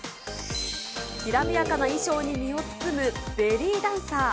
きらびやかな衣装に身を包むベリーダンサー。